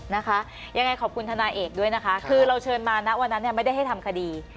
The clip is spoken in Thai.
นะคะยังไงขอบคุณทนายเอกด้วยนะคะคือเราเชิญมานะวันนั้นเนี่ยไม่ได้ให้ทำคดี